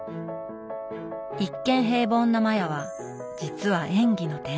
一見平凡なマヤは実は演技の天才。